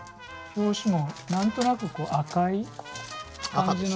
表紙も何となくこう赤い感じの。